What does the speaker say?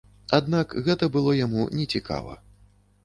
Аднак гэта было яму нецікава.